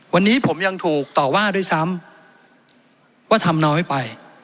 วันนี้ผมยังถูกต่อว่าด้วยซ้ำว่าทำน้อยไป